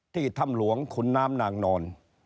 ที่ทำหลวงคุณน้ำนางนอน